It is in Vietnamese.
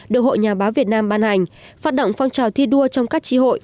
được hội nhà báo việt nam ban hành phát động phong trào thi đua trong các trí hội